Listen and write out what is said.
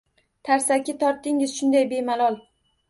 Tarsaki tortdingiz shunday bemalol.